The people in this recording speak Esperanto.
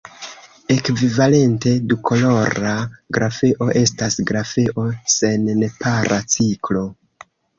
Ekvivalente, dukolora grafeo estas grafeo sen nepara ciklo.